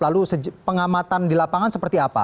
lalu pengamatan di lapangan seperti apa